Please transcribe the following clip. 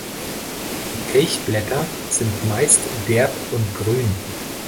Die Kelchblätter sind meist derb und grün.